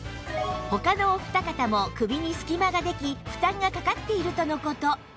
他のお二方も首に隙間ができ負担がかかっているとの事